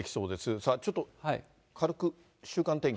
さあちょっと軽く週間天気。